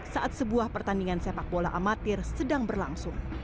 saat sebuah pertandingan sepak bola amatir sedang berlangsung